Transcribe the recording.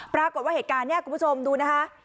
ปรากฏว่าเหตุการณ์นี้คุณผู้ชมดูนะคะ